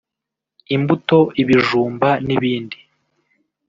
imbuto ibijumba n’ibindi